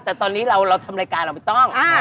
แต่ตอนนี้เราทำรายการเราไม่ต้อง